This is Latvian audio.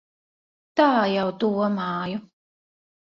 Tā jau domāju.